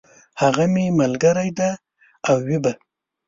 هغه مي ملګری دی او وي به !